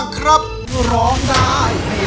ครับพี่เอ๊๋